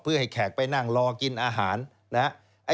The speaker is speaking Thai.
เพื่อให้แขกไปนั่งรอกินอาหารนะครับ